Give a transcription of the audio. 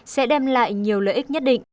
sẽ đem lại nhiều lợi ích nhất định